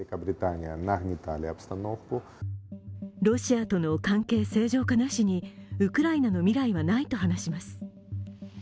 ロシアとの関係正常化なしにウクライナの未来はないと話します。